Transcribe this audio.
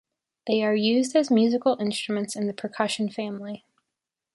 They are used as musical instruments in the percussion family.